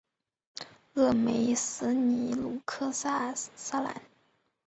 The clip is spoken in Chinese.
勒梅斯尼鲁克塞兰。